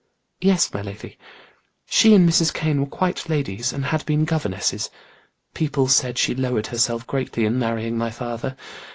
"Yes, my lady. She and Mrs. Kane were quite ladies; had been governesses. People said she lowered herself greatly in marrying my father.